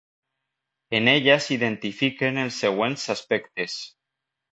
En ella s'identifiquen els següents aspectes.